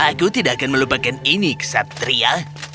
aku tidak akan melupakan ini kesatria